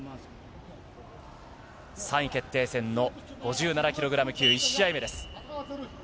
３位決定戦の５７キログラム級１試合目です。